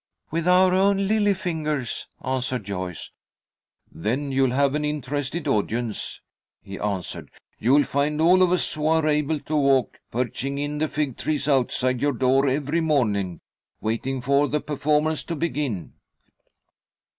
"With our own lily fingers," answered Joyce. "Then you'll have an interested audience," he answered. "You'll find all of us who are able to walk perching in the fig trees outside your door every morning, waiting for the performance to begin."